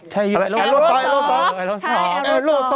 ใช่เอร่อซอฟ